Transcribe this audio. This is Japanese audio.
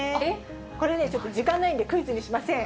これね、ちょっと時間ないんで、クイズにしません。